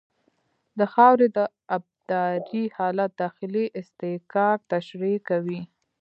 د خاورې د ابدارۍ حالت داخلي اصطکاک تشریح کوي